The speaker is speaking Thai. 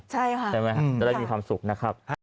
ใช่ค่ะจะได้มีความสุขนะครับ